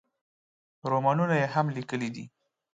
رومانونه یې هم لیکلي دي.